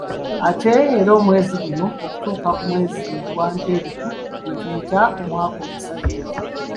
Ate era omwezi guno okutuuka mu mwezi ogwa Ntenvu gwe tuyita omwaka omusajja.